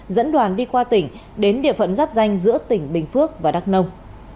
dẫn đoàn đi qua tỉnh đến địa phận giáp danh giữa tỉnh bình phước và đắk nông